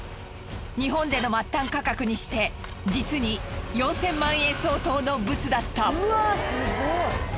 日本での末端価格にして実に４，０００万円相当のブツだった。